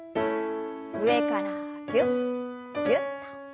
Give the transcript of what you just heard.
上からぎゅっぎゅっと。